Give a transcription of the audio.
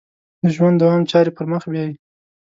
د ژوند دوام چارې پر مخ بیایي.